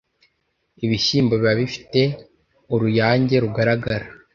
ibishyimbo biba bifite uruyange rugaragara